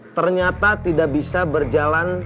ternyata tidak bisa berjalan